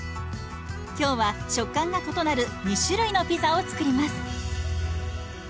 今日は食感が異なる２種類のピザを作ります。